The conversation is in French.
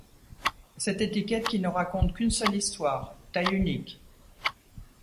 Cette étiquette qui ne raconte qu’une seule histoire taille unique.